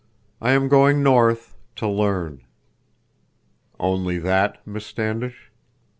I am going north—to learn." "Only that, Miss Standish?"